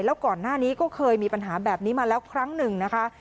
แล้วก่อนหน้านี้ก็เคยมีปัญหาแบบนี้มาแล้วครั้งหนึ่งนะคะ